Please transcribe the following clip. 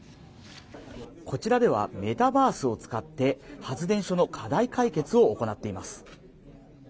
こちらではメタバースを使って発電所の課題解決を行っています。